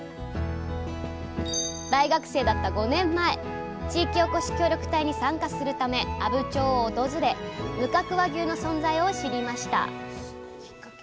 大学生だった５年前地域おこし協力隊に参加するため阿武町を訪れ無角和牛の存在を知りました。